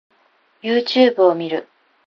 Youtube を見る